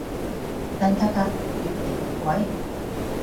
但價格越來越貴